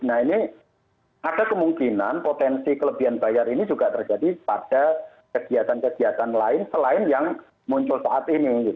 nah ini ada kemungkinan potensi kelebihan bayar ini juga terjadi pada kegiatan kegiatan lain selain yang muncul saat ini